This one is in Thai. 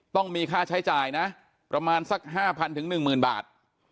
ต้องมีค่าใช้จ่ายนะประมาณสัก๕๐๐๑๐๐บาท